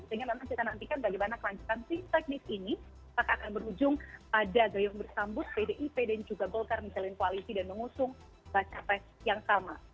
sehingga nanti kita nantikan bagaimana kelanjutan tim teknis ini akan berujung pada gayung bersambut pdip dan juga golkar menjalin koalisi dan mengusung baca pres yang sama